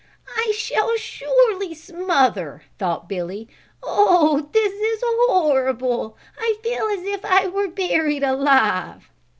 "I shall surely smother," thought Billy. "Oh, this is horrible! I feel as if I were buried alive."